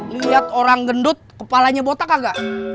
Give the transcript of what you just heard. lihat orang gendut kepalanya botak agak